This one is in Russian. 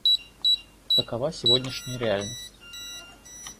Такова сегодняшняя реальность.